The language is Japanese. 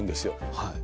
はい。